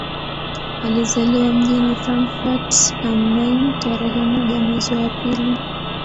Alizaliwa mjini Frankfurt am Main tarehe moja mwezi wa pili